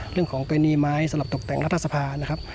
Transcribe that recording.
เรื่องของกรณีไม้สลับตกแต่งรัฐสภานะครับ